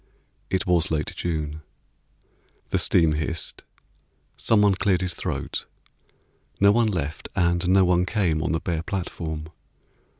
It was late June. The steam hissed. Someone cleared his throat. No one left and no one came On the bare platform.